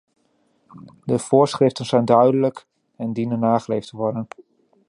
De voorschriften zijn duidelijk en dienen nageleefd te worden.